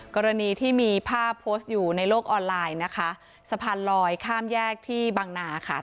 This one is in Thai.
กรณีที่มีภาพโพสต์อยู่ในโลกออนไลน์นะคะสะพานลอยข้ามแยกที่บางนาค่ะ